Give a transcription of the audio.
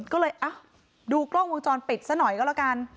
ก็เลยดูกล้องวงจรปิดซะหน่อยก็แล้วกัน